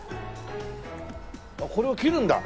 これを切るんだ。